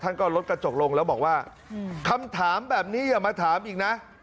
ก็ลดกระจกลงแล้วบอกว่าคำถามแบบนี้อย่ามาถามอีกนะ